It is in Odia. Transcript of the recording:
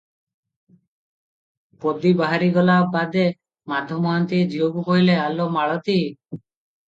ପଦୀ ବାହାରି ଗଲା ବାଦେ ମାଧ ମହାନ୍ତିଏ ଝିଅକୁ କହିଲେ, "ଆଲୋ ମାଳତୀ!